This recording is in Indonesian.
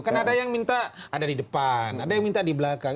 karena ada yang minta ada di depan ada yang minta di belakang